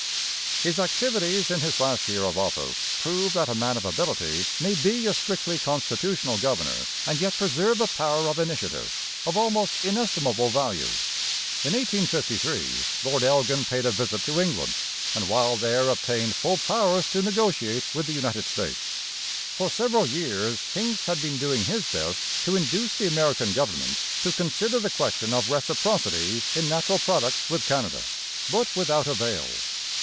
His activities in his last year of office prove that a man of ability may be a strictly constitutional governor and yet preserve a power of initiative, of almost inestimable value. In 1853 Lord Elgin paid a visit to England, and while there obtained full powers to negotiate with the United States. For several years Hincks had been doing his best to induce the American government to consider the question of reciprocity in natural products with Canada, but without avail.